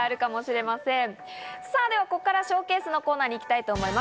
ここからはＳＨＯＷＣＡＳＥのコーナーに行きたいと思います。